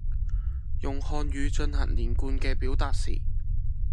用漢語進行連貫嘅表達時